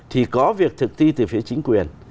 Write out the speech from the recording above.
thì có việc thực thi từ phía chính quyền